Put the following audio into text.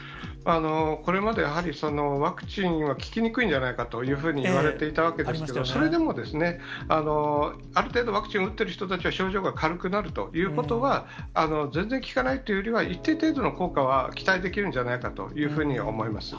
これまでやはりワクチンが効きにくいんじゃないかといわれていたわけですけれども、それでも、ある程度、ワクチンを打っている人たちは症状が軽くなるということは、全然効かないというよりは、一定程度の効果は期待できるんじゃないかというふうに思います。